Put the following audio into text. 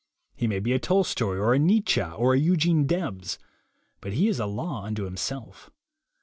He may be a Tolstoy or a Nietzsche or a Eugene Debs ; but he is a law unto himself.